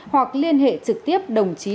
hoặc liên hệ trực tiếp đồng chí